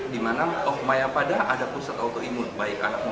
di mana oh mayapada ada pusat autoimun baik anakmu